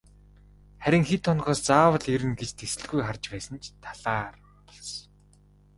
Харин хэд хоногоос заавал ирнэ гэж тэсэлгүй харж байсан ч талаар болсон.